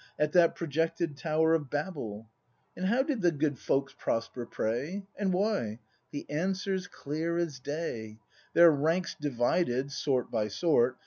At that projected Tower of Babel, How did the good folks prosper, pray ? And why? The answer's clear as day; Their ranks divided, sort by sort.